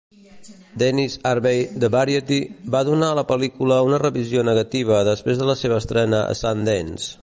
Dennis Harvey de "Variety" va donar a la pel·lícula una revisió negativa després de la seva estrena a Sundance.